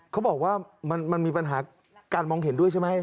เขาบอกว่ามันมีปัญหาการมองเห็นด้วยใช่ไหม